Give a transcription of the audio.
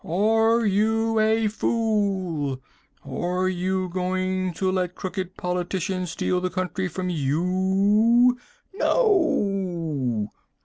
Are you a fool? Are you going to let crooked politicians steal the country from you? NO!